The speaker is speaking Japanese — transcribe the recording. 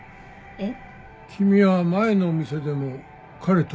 えっ？